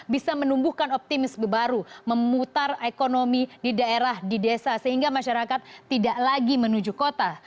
bisa menumbuhkan optimisme baru memutar ekonomi di daerah di desa sehingga masyarakat tidak lagi menuju kota